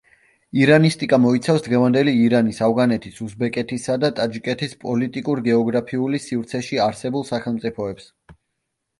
ირანისტიკა მოიცავს დღევანდელი ირანის, ავღანეთის, უზბეკეთისა და ტაჯიკეთის პოლიტიკურ–გეოგრაფიული სივრცეში არსებულ სახელმწიფოებს.